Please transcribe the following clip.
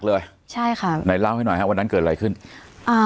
เลยใช่ค่ะไหนเล่าให้หน่อยฮะวันนั้นเกิดอะไรขึ้นอ่า